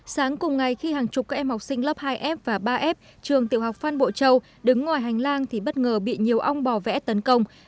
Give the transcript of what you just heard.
sáng cùng ngày khi hàng chục các em học sinh lớp hai f và ba f trường tiểu học phan bộ châu đứng ngoài hành lang thì bất ngờ bị nhiều ong bò vẽ tấn công